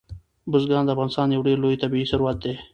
بزګان د افغانستان یو ډېر لوی طبعي ثروت دی.